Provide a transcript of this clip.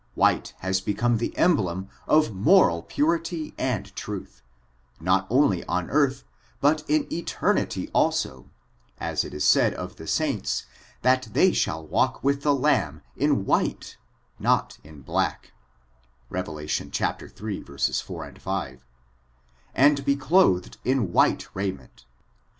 Whits has become the emblem of morcU purity and truth, not only on earth, but in eternity also, as it is said of the saints, that they shall walk with the Lamb in white^ not in blcuJc (Rev. iii, 4, 6), and be clothed in white I raiment.